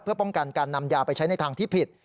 เพื่อป้องกันการนำยาไปใช้ในทางที่ผิด